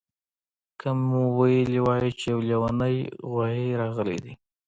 که مې ویلي وای چې یو لیونی غوایي راغلی دی